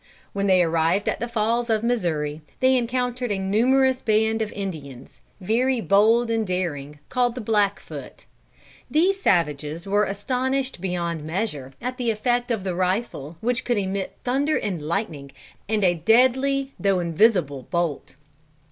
When they arrived at the Falls of the Missouri they encountered a numerous band of Indians, very bold and daring, called the Blackfoot. These savages were astonished beyond measure, at the effect of the rifle which could emit thunder and lightning, and a deadly though invisible bolt.